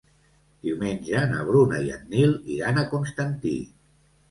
Diumenge na Bruna i en Nil iran a Constantí.